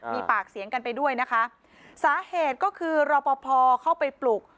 มีปากเสียงกันไปด้วยนะคะสาเหตุก็คือรอปภเข้าไปปลุก